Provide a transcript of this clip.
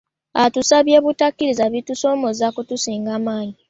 Atusabye obutakkiriza ebitusoomooza kutusinga maanyi.